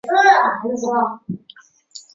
魏玛宫是德国图林根州魏玛的一座宫殿。